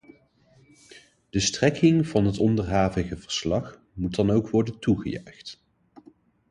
De strekking van het onderhavige verslag moet dan ook worden toegejuicht.